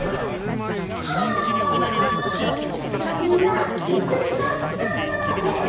みんないっしょにたっくさんうたおうね！